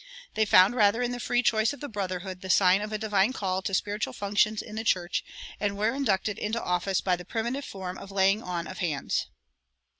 They found rather in the free choice of the brotherhood the sign of a divine call to spiritual functions in the church, and were inducted into office by the primitive form of the laying on of hands.